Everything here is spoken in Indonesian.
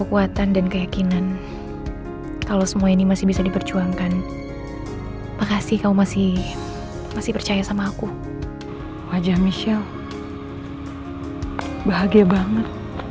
wajah michelle bahagia banget